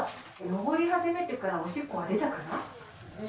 登り始めてからおしっこは出たかな？